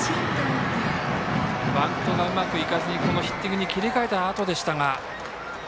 バントがうまくいかずにこのヒッティングに切り替えたあとでしたが。